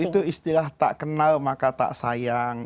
itu istilah tak kenal maka tak sayang